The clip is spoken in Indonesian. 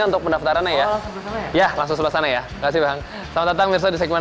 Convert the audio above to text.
untuk pendaftarannya ya ya langsung sebelah sana ya kasih banget sama sama di sekiman